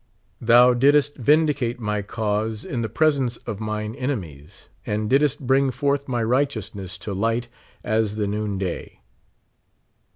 Thou didst vindicate my cause in the presence of mine enemies, and didst bring forth my righteousness to light as the noon day.